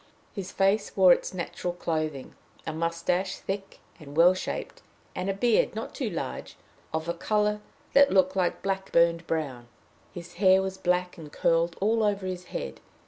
His face wore its natural clothing a mustache thick and well shaped, and a beard not too large, of a color that looked like black burned brown. His hair was black and curled all over his head.